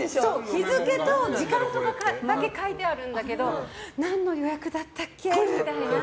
日付と時間とかだけ書いてあるんだけど何の予約だったっけ？みたいな。